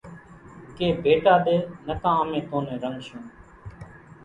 ڪي ڀيٽا ۮي نڪان امين تون نين رنڳشون